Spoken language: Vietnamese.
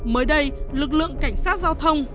mới đây lực lượng cảnh sát giao thông